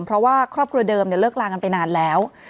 เพราะว่าครอบครัวเดิมเลิกลากันไปนานแล้ว